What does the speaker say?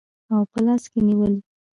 او په لاس کې نیولي